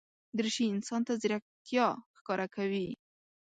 دریشي انسان ته ځیرکتیا ښکاره کوي.